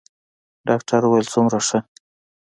ډاکتر وويل څومره ښه.